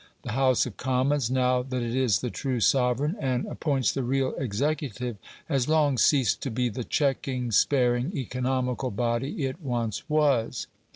The House of Commons now that it is the true sovereign, and appoints the real executive has long ceased to be the checking, sparing, economical body it once was.